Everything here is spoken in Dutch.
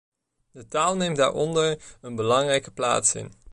De taal neemt daaronder een belangrijke plaats in.